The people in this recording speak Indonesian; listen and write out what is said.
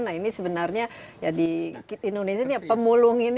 nah ini sebenarnya ya di indonesia ini pemulung ini